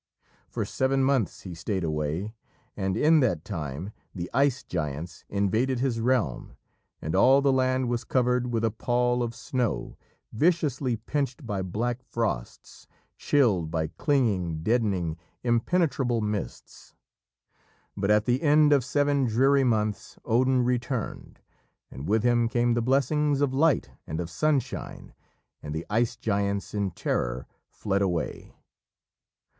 For seven months he stayed away, and in that time the Ice Giants invaded his realm, and all the land was covered with a pall of snow, viciously pinched by black frosts, chilled by clinging, deadening, impenetrable mists. But at the end of seven dreary months Odin returned, and with him came the blessings of light and of sunshine, and the Ice Giants in terror fled away.